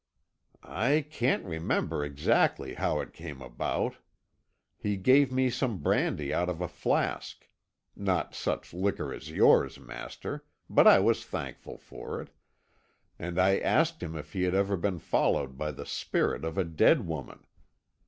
"I can't remember exactly how it came about. He gave me some brandy out of a flask not such liquor as yours, master, but I was thankful for it and I asked him if he had ever been followed by the spirit of a dead woman.